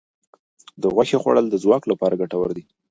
د غوښې خوړل د ځواک لپاره ګټور دي.